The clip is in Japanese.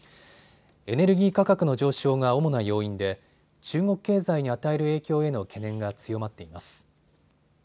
エネルギー価格の上昇が主な要因で中国経済に与える影響への懸念が強まっています。